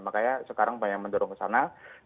makanya sekarang banyak mendorong ke sana